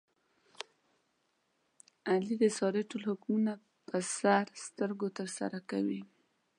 علي د سارې ټول حکمونه په سر سترګو ترسره کوي.